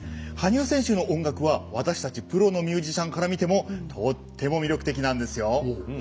羽生選手の音楽は私たちプロのミュージシャンから見てもとっても魅力的なんですよ。